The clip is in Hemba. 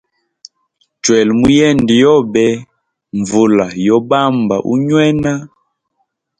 Chwela muyende yobe nvula yo bamba unywena.